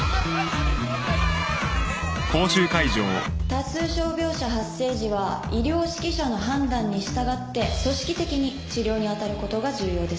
多数傷病者発生時は医療指揮者の判断に従って組織的に治療に当たることが重要です。